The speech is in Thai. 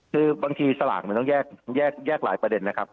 คือบางทีสลากมันต้องแยกหลายประเด็นนะครับ